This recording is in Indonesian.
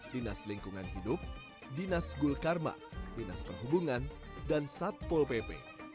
dinas lingkungan hidup dinas gul karma dinas perhubungan dan satpol pp